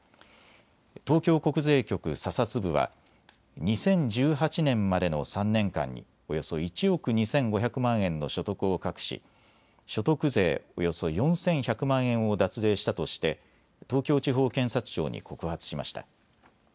東京国税局査察部は２０１８年までの３年間におよそ１億２５００万円の所得を隠し所得税およそ４１００万円を脱税したとして東京地方検察庁に告発しました。